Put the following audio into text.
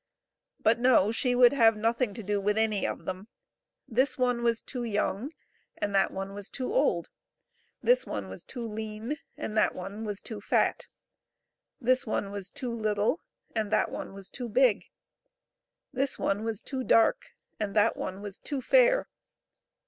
But, no, she would have nothing to do with any of them ; this one was too young and that one was too old ; this one was too lean and that one was too fat ; this one was too little and that one was too big ; this one was too dark and that one was too fair.